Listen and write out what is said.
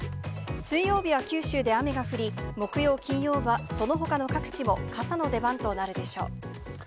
水曜日は九州で雨が降り、木曜、金曜はそのほかの各地も傘の出番となるでしょう。